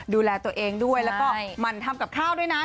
ดูแลตัวเองด้วยแล้วก็หมั่นทำกับข้าวด้วยนะ